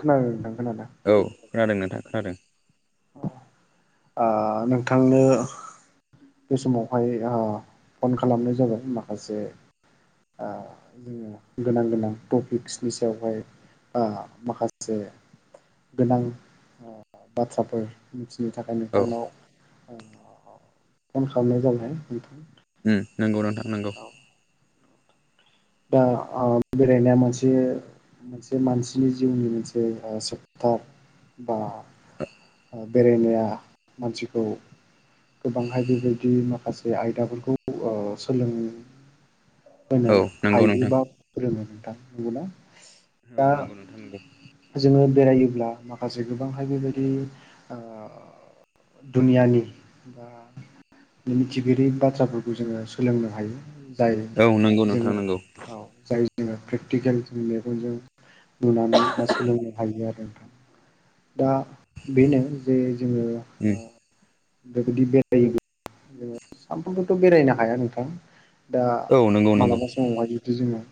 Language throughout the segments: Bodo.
खोनादों नोंथां खोनादों। औ खोनादों नोंथां खोनादों ओह नोंथांनो बे समावहाय फन खालामनाय जाबाय माखासे ओह जोङो गोनां गोनां थपिक्सनि सायावहाय माखासे गोनां बाथ्रा फोर मिथिनो थाखाय औ नोंथांनाव फन खालामनाय जाबाय नोंथां नोंगौ नोंथां नोंगौ औ दा ओ बेरायनाया मोनसे मोनसे मानसिनि जिउनि मोनसे सेप्टार बा ओ बेरायनाया मानसिखौ गोबांहाय बेबायदिनो माखासे आयदाफोरखौ ओह सोलों होनो औ नंगौ नोंथां हायोबा फोरोङो नोंथां नंगौना औ दा नंगौ नोंथां नंगौ जोङो बेरायो अब्ला माखासे गोबांहाय बेबायदि ओ दुनियानि बा मिथिगिरियै बाथ्राफोरखौ जोङो सोलोंनो हायो जाय औ नंगौ नोंथां जोङो नोंगौ औ जाय जोङो प्रेकटिकेल जों मेगनजों नुनानै बा सोलोंनो हायो आरो नोंथां दा बेनो जे जोङो उम ओ बेबायदि बेरायो जोङो सानफ्रोमबोथ' बेरायनो हाया नोंथां दा औ नंगौ नंगौ मालाबा समावहाय जुदि जोङो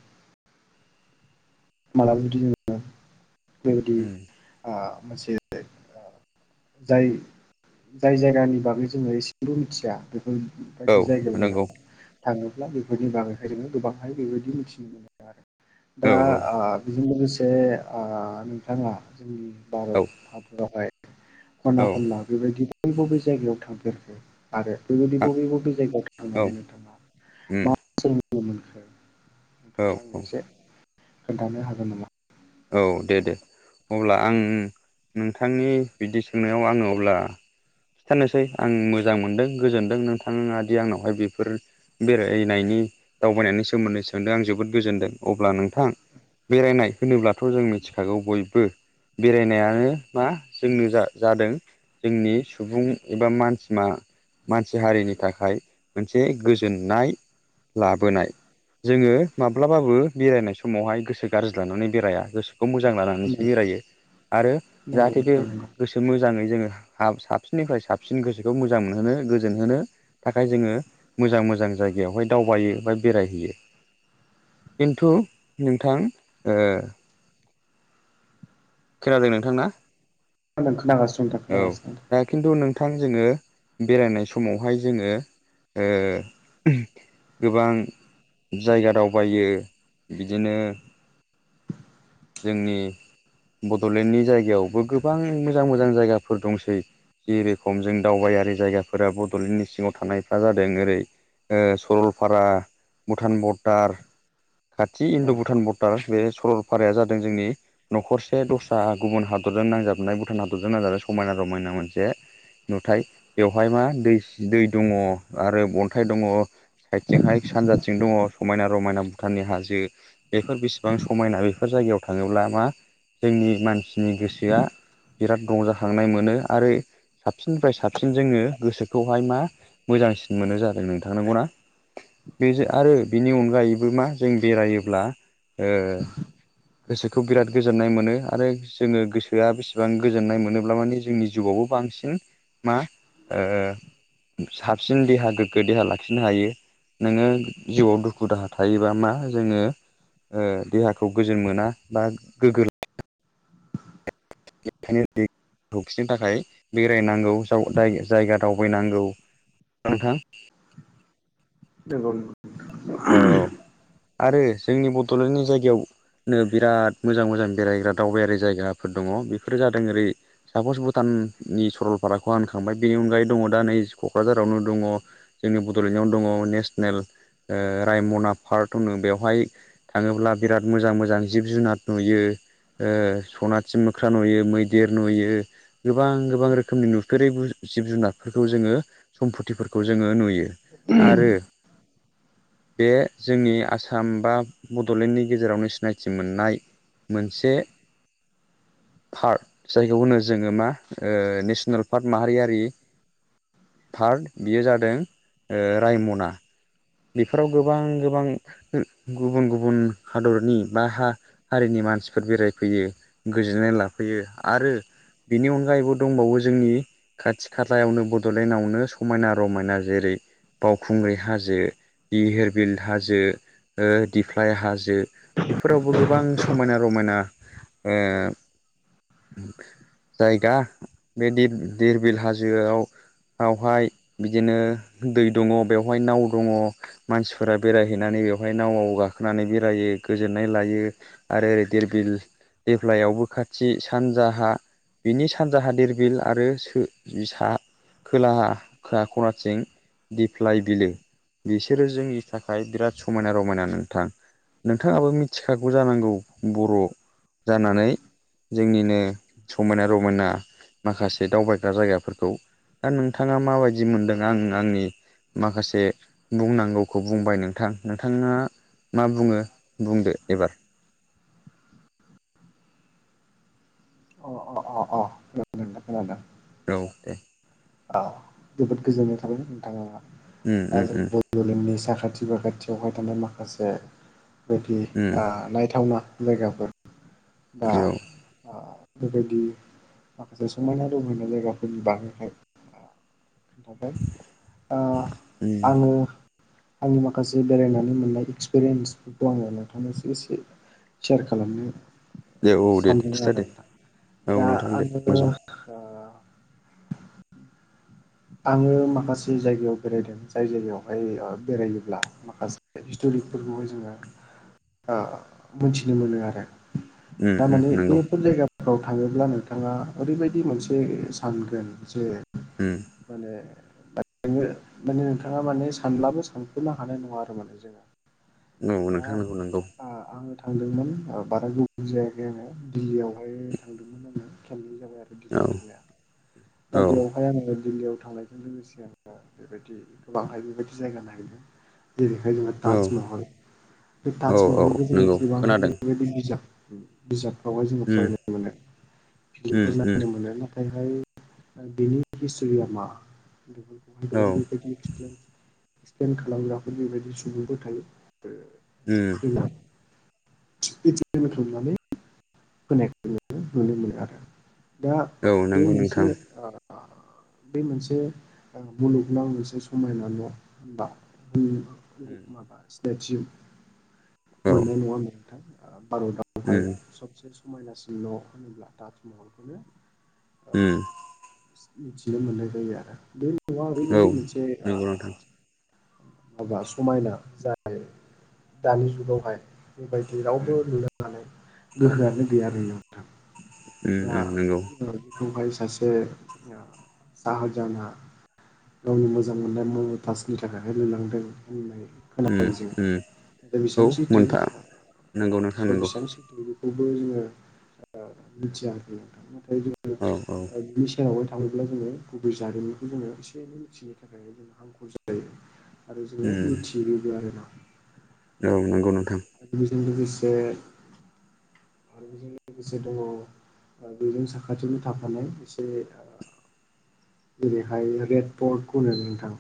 मालाबा जुदि जोङो बेबायदि उम आ मोनसे जाय जाय जायगानि बागै जोङो एसेल' मिथिया बे औ बेफोरबायदि जायगायाव जोंना नंगौ थाङोब्ला बेफोरनि बागैहाय जोङो गोबांहाय बेबायदि मिथिनो मोनो आरो औ दा ओ बेजों लोगोसे आ नोंथाङा जोंनि औ भारत हादरावहाय खना औ खनला बेबायदि बबे बबे जायगायाव थांफेरखो आरो बेबायदि बबे बबे जायगायाव औ थांनानै नोंथाङा उम मा सोलिनाय नुनो मोनखो औ नोंथाङा औ मोनसे खोन्थानो हागोन नामा औ दे दे अब्ला आं नोंथांनि बिदि सोंनायाव आङो अब्ला खिन्थानोसै आं मोजां मोनदों गोजोनदों नोंथाङादि आंनावहाय बेफोर बेरायनायनि दावबायनायनि सोमोन्दै सोंदों आं जोबोद गोजोनदों अब्ला नोंथां बेरायनाय होनोब्लाथ' जों मिथिखागौ बयबो बेरायनायानो मा जोंनो जा-जादों जोंनि सुबुं एबा मानसि मा मानसि हारिनि थाखाय मोनसे गोजोननाय लाबोनाय जोङो माब्लाबाबो बेरायनाय समावहाय गोसो गाज्रि लानानै बेराया गोसोखौ मोजां लानानैसो बेरायो आरो नंगौ जाहाथे बे नोंथां नंगौ गोसो मोज जाङै जोङो हाब साबसिननिफ्राय साबसिन गोसोखौ मोजां मोनहोनो गोजोन होनो थाखाय जोङो मोजां मोजां जायगायावहाय दावबायो बा बेरायहैयो खिन्थु नोंथां ओ खोनादों नोंथां ना [unintelligible] खोनागास औ दा खिन्थु नोंथां जोङो बेरायनाय समावहाय जोङो ओ गोबां जायगा दावबायो बिदिनो जोंनि बड'लेण्डनि जायगायावबो गोबां मोजां मोज जां जायगाफोर दंसै जेरोखम जों दावबायारि जायगाफोरा बड'लेण्डनि सिङाव थानायफ्रा जादों ओरै ओ सरलपारा भुटान बरडार खाथि नोंथां इन्दु औ भुटान बर्डार बे सरलपाराया जादों जोंनि न'खरसे दस्रा गुबुन हाद दरजों नांजाबनाय भुटान हादरजों नांजाबनाय समायना रमायना मोनसे नुथाय बेवहाय मा दै दै दङ आरो अन्थाइ दङ साइदथिंहाय सानजाथिं दङ समायना रमायना भुटाननि हाजो बेफोर बेसिबां समायना बेफोर जा जायगायाव थाङोब्ला मा जोंनि मानसिनि गोसोआ बिराद रंजाखांनाय मोनो आरो साबसिननिफ्राय साबसिन जोङो गोसोखौहाय मा मोजांसिन मोनो जादों नोंथां नंगौ ना बे आरो बिनि अनगायैबो मा जों बेरायोब्ला ओ गोसोखौ बिराद गोजोननाय मोनो आरो जोङो गोसोआ बेसेबां गोजोननाय मोनोब्ला माने जोंनि जिवाव बांसिन मा ओ साबसिन देहा गोग्गो देहा लाखिनो हायो। नोङो जिउआव दुखु दाहा थायोबा मा जोङो ओ देहाखौ गोजोन मोना बा गोगो [unintelligible] मोननो थाखाय बेरायनांगौ जायगा दावबायनांगौ। नोंथां। औ [unintelligible] आरो जोंनि बड'लेण्डनि जायगायावनो बिराद मोजां मोजां बेरायग्रा दावबायारि जायगाफोर दङ। बेफोरो जादों ओरै सापस भुटाननि सरलपाराखौ आंखांबाय बेनि अनगायै दङ दा नैख' क'क्राझारावनो दङ जोंनि बड'लेण्डआवनो दङ नेसनेल रायमना पार्क होनो बेवहाय थाङोब्ला बिराद मोजां मोजां जिब जुनार नुयो। सनाथि मोख्रा नुयो मैदेर नुयो गोबां गोबां रोखोमनि नुफेरै जिब जुनारफोरखौ जोंङो सम्फथिफोरखौ जोंङो नुयो आरो बे जोंनि आसाम बा बड'लेण्डनि गेजेरावनो सिनायथि मोननाय। मोनसे पार्क जायखौ होनो जोंङो मा नेसनेल पार्क माहारियारि। फार्ड बियो जादों रायमना। बेफोराव गोबां गोबां गुबुन गुबुन हादरनि बा हा हारिनि मानसिफोर बेरायफैयो गोजोननाय लाफैयो आरो बेनि अनगायैबो दंबावो जोंनि खाथि खालायावनो बड'लेण्डआवनो समायना रमायना जेरै बावखुंग्रि हाजो इहेरबिल हाजो दिफ्लाय हाजो बेफोरावबो गोबां समायना रमायना। ए। [inaudible] जायगा बे धिरबिल हाजोआव बेवहाय बिदिनो दै दङ बेवहाय नाव दङ। मानसिफोरा बेरायहैनानै बेवहाय नावआव गाखोनानै बेरायो गोजोननाय लायो आरो ओरै बिरबिल देब्लायावबो खाथि सानजाहा। बिनि सानजाहादिर बिल आरो बिसा खोलाहा खो खनाथिं दिफ्लाय बिलो बिसोरो जोंनि थाखाय बिराद समायना रमायना नोंथां। नोंथाङाबो मिथिखागौ जानांगौ बर' जानानै जोंनिनो समायना रमायना माखासे दावबायग्रा जायगाफोरखौ दा नोंथाङा माबायदि मोनदों आं आंनि माखासे बुंनांगौखौ बुंबाय नोंथां नोंथांङा। मा बुङो बुंदो एबार। अ अ अ अ औ दे। औ जोबोद गोजोननाय थाबाय नोंथाङा उम आ उम जों उम बड'लेण्डनि साखाथि साखाथि बाखाथियावहाय थानाय माखासे बायदि उम नायथावना। जायगाफोर बा। औ बेबायदि माखासे समायना रमायना जायगाफोरनि बानायनायखाय। [unintelligible] ओ उम आङो। आंनि माखासे बेरायनानै मोननाय एक्सपिरियेन्सफोरखौ आङो नोंथांनिसिम एसे। सेर खालामनो। दे औ दे दे सानदों खिथा दे आरो नोंथां। औ दा नोंथां दे आङो मोजां आङो माखासे जायगायाव बेरायदों जाय जायगायावहाय ओ बेरायोब्ला माखासे हिस्टरि फोरखौहाय जोङो आ मोनथिनो मोनो आरो उम उम तामाने नंगौ बेफोर जायगा याव थाङोब्ला नोंथाङा ओरैबायदि मोनसे सानगोन जे उम [unintelligible] माने नोंथाङा माने सानब्लाबो सानख'नो हानाय नङा आरो माने जोङो। नंगौ दा नोंथां [unintelligible] आ आङो थांदोंमोन आ बारा गोबाव जायाखै आङो दिल्लीयावहाय थांदोंमोन आङो इ खालि [unintelligible] आरो औ दिल्लीयाव थांनाया दा औ बेयावहाय आङो दिल्लीयाव थांनायजों लोगोसे आङो बेबायदि गोबांहाय बेबायदि जायगा नागिरदों। जेरैहाय जोंहा औ ताजमहल बे औ औ ताजमहलखौ जोङो नंगौ गोबांहाय खोनादों बेैबायदि बिजाब बिजाबफ्रावहाय जोङो उम फरायनो मोनो। उम फिल्मफोर उम नायनो मोनो नाथायहाय बिनि हिस्ट'रिया मा बेफोरखौहाय औ गोबां बेबायदि एक्सप्लेन एक्सप्लेन खालामग्राफोर बेबायदि सुबुंफोर थायो। उम [unintelligible] [unintelligible] दा औ बे नंगौ मोनसे नोंथां आ बे मोनसे ओ मुलुगनां मोनसे समायना न' होनबा उम उम माबा सिनायथि औ मोननाय नङा नोंथां उम भारतावहाय सबसे समायनासिन न' होनोब्ला टाजमहलखौनो उम। मिथिनो मोननाय जायो आरो बै न'आ औ ओरैबायदि मोनसे ओ नंगौ नोंथां माबा समायना। जाय दानि जुगावहाय बेबायदि रावबो उम लुनो हानाय गोहोआनो गैया आरो ना। उम उम नंगौ। बेवहाय सासे ओ साहाजाना गावनि मोजां मोननाय म'मतासनि थाखाय लुलांदों होननाय खोनायो उम जों। उम नाथाय औ बेसेबां सैथो मोनफा नंगौ नोंथां नाथाय नंगौ बेसेबां सैथो [unintelligible] बो जोङो ओ मिथियाखैमोन नाथाय जोङो औ औ [unintelligible] [unintelligible] थाङोब्ला जोङो गुबै जारिमिखौ जोङो एसे एनै मिथिनो थाखाय जों हांखुर जायो। आरो जोङो उम मिथियोबो आरो ना। औ नंगौ नोंथां। बेजों लोगोसे आरो बिजों लोगोसे दंबावो आरो बेजों साखाथियावनो थाफानाय एसे जेरैहाय रेड पर्ट [unintelligible] नोंथां।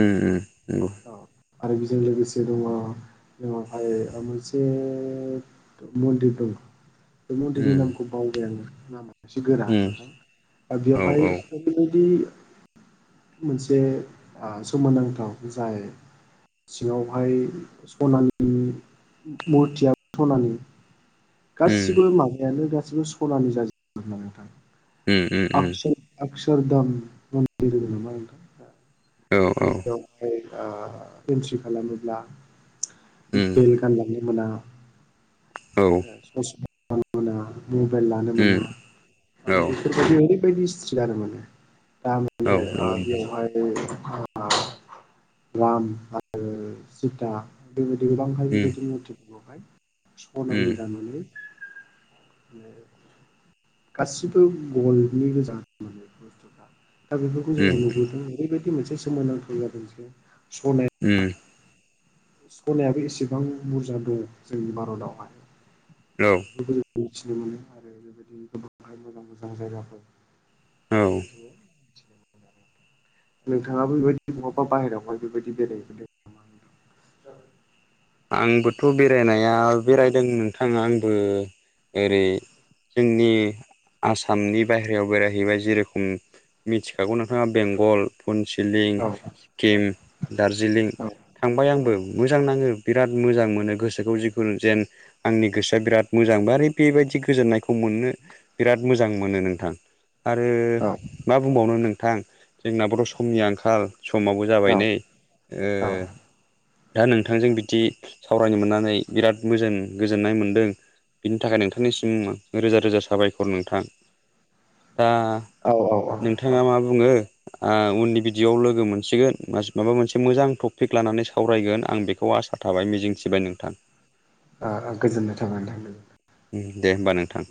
उम उम नंगौ। औ आरो बेजों लोगोसे दङ' जोंनावहाय मोनसे मन्दिर दं। बे मन्दिरनि उम नामखौ बावबाय आङो नामा एसे गोरा उम नोंथां औ बेयावहाय औ बेबायदि मोनसे आ सोमोनांथाव जाय सिङावहाय सनानि मुरथिया सनानि उम गासिबो माबायानो गासिबो सनानि जाजो [unintelligible] नोंथां। उम उम उम [unintelligible] नोंथां औ औ। आ एन्ट्रि खालामोब्ला बेल गानलांनो मोना। ससमा मोना मबाइल लानो मोना माने बेफोरबायदि [unintelligible] बायदि ष्ट्रिक आरो माने [unintelligible] बेयावहाय [unintelligible] राम आरो सिता बेबायदि [unintelligible] खनानि दानानै गासिबो गल्दनि गोजा मोन बस्थुफोरा दा बेफोरखौ जोंहा नुबोदों ओरैबायदि मोनसे सोमोनांथाव जादों जे सनाया उम्म। सनायाबो एसेबां बुरजा दं जोंनि भारतआवहाय औ [unintelligible] मिथिनो मोनो आरो बेबायदिनो गोबांहाय मोजां मोजां जायगाफोर औ बेफोरखौ जोङो नोंथाङाबो बेबायदि बहाबा बाहेरायावहाय बेबायदि बेरायहैफेरदों नामा? [inaudible] आंबोथ' बेरायनाया बेरायदों नोंथां आंबो ओरै जोंनि आसामनि बाहेरायाव बेरायहैबाय जेरोखोम मिथिखागौ नोंथाङा बेंगल पनसिलिं, नोंथां? सिक्किम, दार्जिलिं थांबाय आंबो मोजां नाङो। बिराद मोजां मोनो गोसोखौ जिखुनु जेन आंनि गोसोआ बिराद मोजां बारे बेबायदि गोजोननायखौ मो मोननो बिराद मोजां मोनो नोंथां। आरो मा बुंबावनो नोंथां जोंना बर समनि आंखाल। समावबो जाबाय औ नै ओ दा नोंथांजों बिद दि सावरायनो मोननानै बिराद मोजोन गोजोननाय मोनदों। बिनि थाखाय नोंथांनिसिम रोजा रोजा साबायखर नोंथां। दा औ औ औ नोंथाङा मा बुङो? आ उननि बिदिआव लोगो मोनसिगोन मास माबा मोनसे मोजां टपिक लानानै सावरायगोन आं बेखौ आसा थाबाय मिजिंथिबाय नोंथां। आ आ गोजोननाय थाबाय नोंथां निबो। ओम दे होमबा नोंथां।